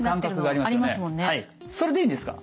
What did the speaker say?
それでいいですか？